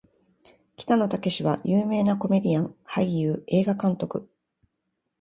北野武は有名なコメディアン・俳優・映画監督